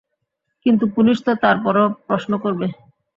কিন্তু পুলিশ তো তারপরও প্রশ্ন করবে।